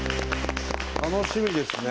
楽しみですね。